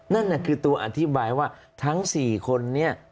นั่นคือตัวอธิบายว่าทั้ง๔คนนี้